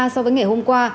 so với ngày hôm qua